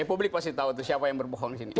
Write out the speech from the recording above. publik pasti tahu siapa yang berbohong disini